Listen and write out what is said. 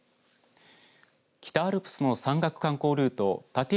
北アルプスの山岳観光ルート立山